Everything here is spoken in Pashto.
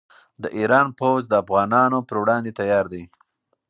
د ایران پوځ د افغانانو پر وړاندې تیار دی.